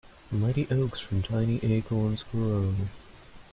Mighty oaks from tiny acorns grow.